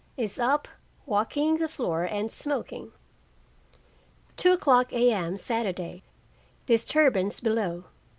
Is up walking the floor and smoking. 2:00 A.M. Saturday. Disturbance below.